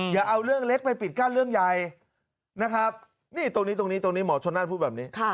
อย่าเอาเรื่องเล็กไปปิดก้านเรื่องใยตรงนี้หมอชนนั่นพูดแบบนี้